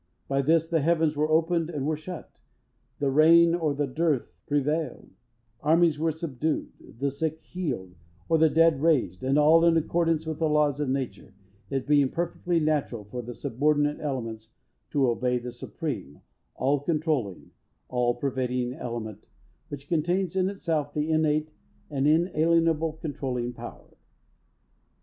By this, the heavens were opened, and were shut; the rain or the dearth prevailed; armies were subdued; the sick healed, or the dead raised; and all in accordance with the laws of nature, it being perfectly natural for the subordinate elements to obey the supreme, all controlling, all pervading element, which contains in itself the innate, and inalienable, controlling power.